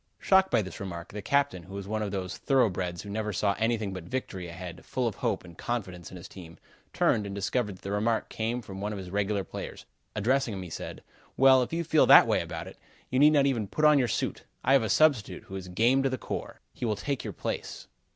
Shocked by this remark, the captain, who was one of those thoroughbreds who never saw anything but victory ahead, full of hope and confidence in his team, turned and discovered that the remark came from one of his regular players. Addressing him, he said: "Well! If you feel that way about it, you need not even put on your suit. I have a substitute, who is game to the core. He will take your place."